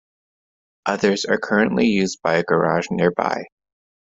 Others are currently used by a garage nearby.